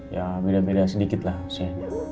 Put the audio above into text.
ya beda beda sedikit lah sih